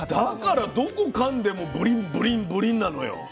だからどこかんでもブリンブリンブリンなのよ。